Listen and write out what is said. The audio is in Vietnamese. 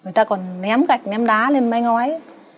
người ta còn ném gạch ném đá lên mái ngói